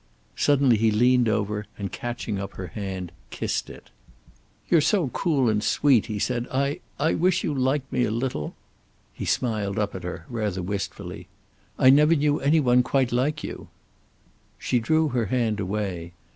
Suddenly he leaned over and catching up her hand, kissed it. "You're so cool and sweet," he said. "I I wish you liked me a little." He smiled up at her, rather wistfully. "I never knew any one quite like you." She drew her hand away.